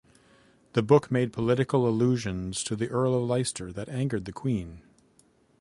The book made political allusions to the Earl of Leicester that angered the Queen.